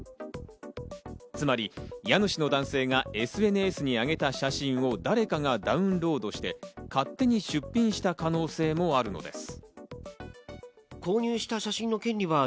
つまり家主の男性がＳＮＳに上げた写真を誰かがダウンロードして勝手に出品した可能性もあるのです。